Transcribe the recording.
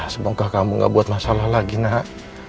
semoga kamu gak buat masalah lagi nak